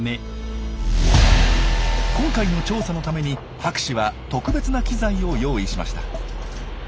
今回の調査のために博士は特別な機材を用意しました。